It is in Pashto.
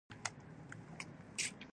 وینه یو ارتباطي نسج دی.